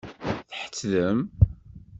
Tḥettdem?